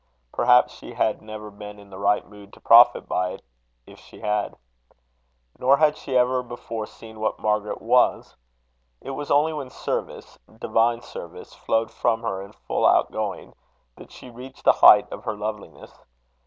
Perhaps she had never been in the right mood to profit by it if she had. Nor had she ever before seen what Margaret was. It was only when service divine service flowed from her in full outgoing, that she reached the height of her loveliness.